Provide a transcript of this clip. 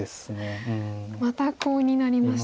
またコウになりました。